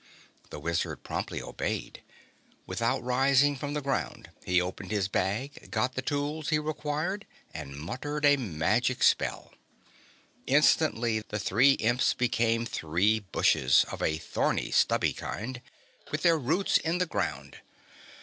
The Wizard promptly obeyed. Without rising from the ground he opened his bag, got the tools he required and muttered a magic spell. Instantly the three Imps became three bushes of a thorny stubby kind with their roots in the ground.